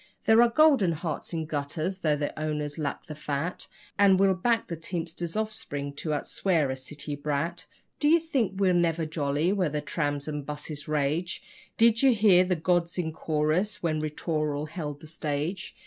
There are golden hearts in gutters, though their owners lack the fat, And we'll back a teamster's offspring to outswear a city brat. Do you think we're never jolly where the trams and buses rage? Did you hear the gods in chorus when 'Ri tooral' held the stage?